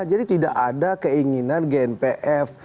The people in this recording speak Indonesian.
jadi tidak ada keinginan gnpf